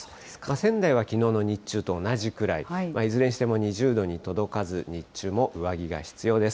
仙台はきのうの日中と同じくらい、いずれにしても２０度に届かず、日中も上着が必要です。